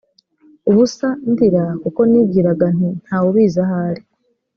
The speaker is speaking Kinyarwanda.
ubusa ndira kuko nibwiraga nti nta wubizi ahari